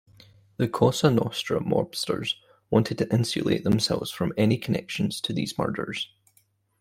The Cosa Nostra mobsters wanted to insulate themselves from any connection to these murders.